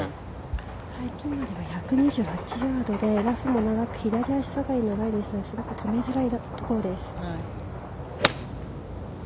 ピンまでは１２８ヤードでラフも長く左足下がりのライですごく止めづらいところです。